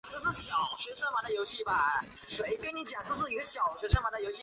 元世祖以后只有得到策宝的皇后才算正宫皇后。